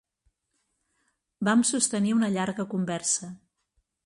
Vam sostenir una llarga conversa.